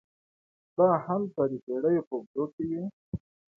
دا هلته د پېړیو په اوږدو کې وې.